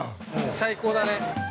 ◆最高だね。